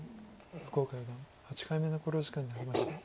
福岡四段８回目の考慮時間に入りました。